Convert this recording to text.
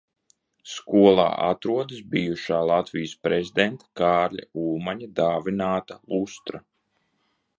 Skolā atrodas bijušā Latvijas prezidenta Kārļa Ulmaņa dāvināta lustra.